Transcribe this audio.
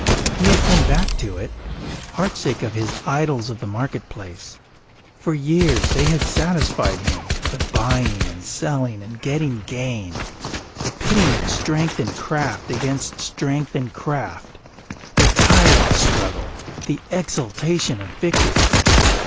He had come back to it, heartsick of his idols of the marketplace. For years they had satisfied him, the buying and selling and getting gain, the pitting of strength and craft against strength and craft, the tireless struggle, the exultation of victory.